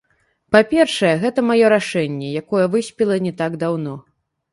Па-першае, гэта маё рашэнне, якое выспела не так даўно.